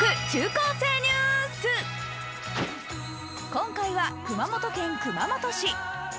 今回は熊本県熊本市。